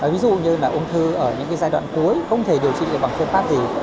ví dụ như là ung thư ở những giai đoạn cuối không thể điều trị được bằng phương pháp gì